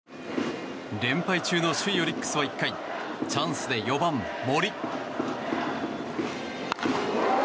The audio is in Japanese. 連敗中の首位オリックスは１回チャンスで４番、森。